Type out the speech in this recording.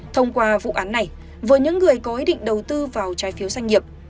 thông qua vụ án này với những người có ý định đầu tư vào trái phiếu doanh nghiệp